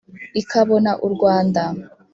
ikabona u rwanda.